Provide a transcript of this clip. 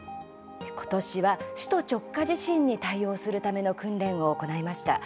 今年は、首都直下地震に対応するための訓練を行いました。